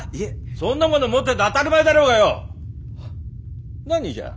そんなもの持ってて当たり前だろうがよ。なあ？